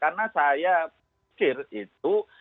karena saya punya alasan yang seperti itu